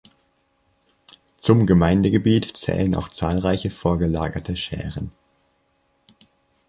Zum Gemeindegebiet zählen auch zahlreiche vorgelagerte Schären.